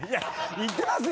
行ってますよ！